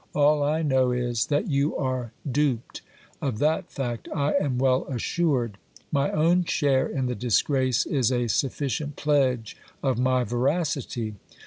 All I know is, that you are duped : of that fact I am well assured. My own share in the disgrace is a suf ricent pledge of my veracity.